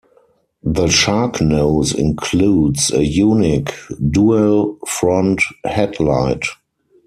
The Sharknose includes a unique, dual front headlight.